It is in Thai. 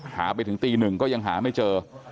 หาไปถึงตีหนึ่งก็ยังหาไม่เจอ